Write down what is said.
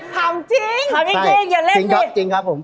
ถามจิงถามอย่างเกรงอย่าเล่นดิจริงครับผม